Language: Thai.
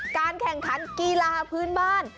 การแข่งขันกีฬาพื้นบ้าน